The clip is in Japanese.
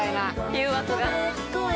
誘惑が。